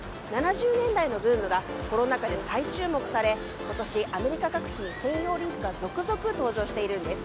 ７０年代のブームがコロナ禍で再注目され今年、アメリカ各地に専用リンクが続々登場しているんです。